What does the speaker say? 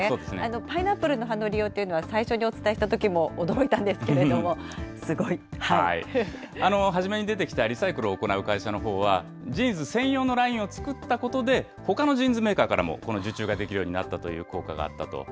パイナップルの葉の利用というのは最初にお伝えしたときも驚いた初めに出てきたリサイクルを行う会社のほうは、ジーンズ専用のラインを作ったことで、ほかのジーンズメーカーからも、この受注ができるようになったという効果があったと。